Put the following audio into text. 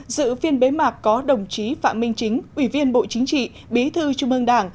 dự phiên bế mạc có đồng chí phạm minh chính ủy viên bộ chính trị bí thư trung ương đảng